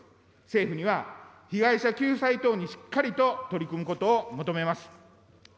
政府には、被害者救済等にしっかりと取り組むことを求めます。